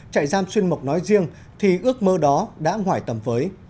trại giam xuyên mộc nói riêng thì ước mơ đó đã ngoài tầm với